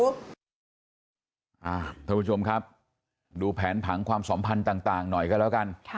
ท่านผู้ชมครับดูแผนผังความสัมพันธ์ต่างหน่อยก็แล้วกัน